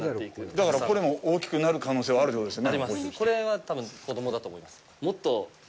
だからこれも大きくなる可能性はあるということですね。